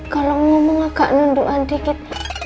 kalau ngomong agak nundukkan dikit